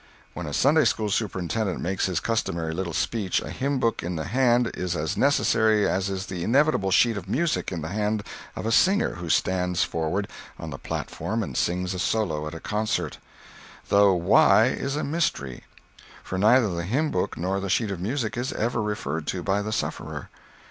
When a Sunday school superintendent makes his customary little speech, a hymn book in the hand is as necessary as is the inevitable sheet of music in the hand of a singer who stands forward on the platform and sings a solo at a concert—though why, is a mystery: for neither the hymn book nor the sheet of music is ever referred to by the sufferer.